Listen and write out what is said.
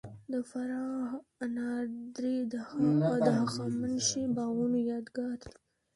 د فراه انار درې د هخامنشي باغونو یادګار دی